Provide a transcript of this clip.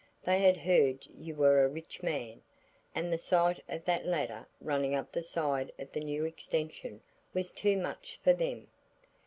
They had heard you were a rich man, and the sight of that ladder running up the side of the new extension was too much for them.